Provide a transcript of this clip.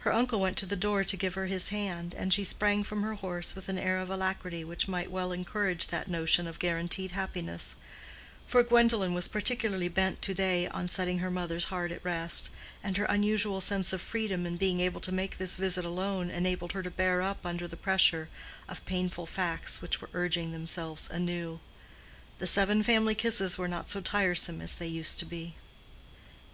Her uncle went to the door to give her his hand, and she sprang from her horse with an air of alacrity which might well encourage that notion of guaranteed happiness; for Gwendolen was particularly bent to day on setting her mother's heart at rest, and her unusual sense of freedom in being able to make this visit alone enabled her to bear up under the pressure of painful facts which were urging themselves anew. The seven family kisses were not so tiresome as they used to be.